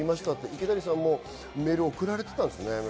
池谷さんもメール送られてたんですね。